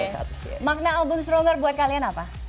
jadi yang album stronger buat kalian apa